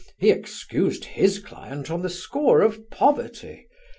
He excused his client on the score of poverty.